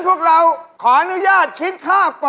บ้าหรอเปล่า